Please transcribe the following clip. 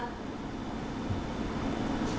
trung tướng tô ân sô